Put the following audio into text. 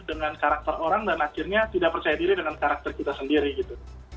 dengan karakter orang dan akhirnya tidak percaya diri dengan karakter kita sendiri gitu